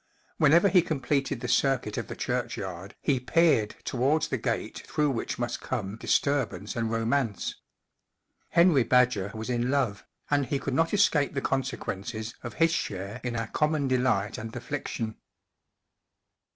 Whenever he completed the circuit of the churchyard he peered towards the gate through which must come disturbance and romance. Henry Badger was in love, and he could not escape the consequences of his share in our common delight and affliction.